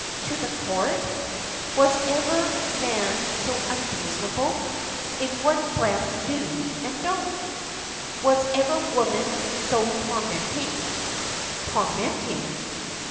"To the Court? Was ever man so unreasonable? In one breath 'do' and 'don't'!" "Was ever woman so tormenting?" "Tormenting?